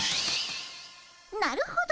なるほど！